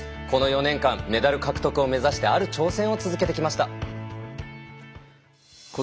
この４年間メダル獲得を目指してある挑戦を続けてきました。